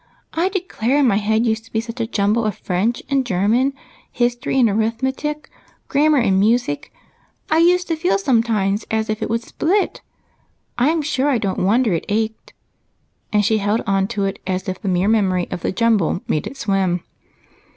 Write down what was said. I declare my head used to be such a jumble of French and German, history and arithme tic, grammar and music, I used to feel sometimes as if it would split. I'm sure I don't wonder it ached." And she held on to it as if the mere memory of the *' jumble " made it swim.